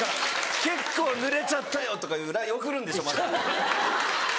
「結構ぬれちゃったよ」とかいうＬＩＮＥ送るんでしょまた。